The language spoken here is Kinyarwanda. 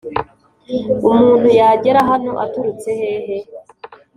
umuntu yagera hano aturutse hehe